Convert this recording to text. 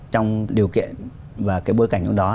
trong điều kiện và cái bối cảnh trong đó